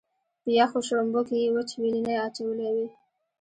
په یخو شړومبو کې یې وچ وېلنی اچولی وي.